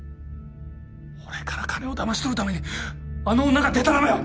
俺から金をだまし取るためにあの女がデタラメを。